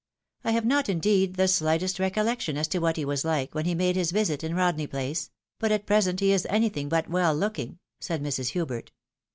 I have not, indeed, the shghtest recollection as to what he was like, when he made his visit in Rodney place ; but at present he is anything but well looking," said Mrs. Hubert.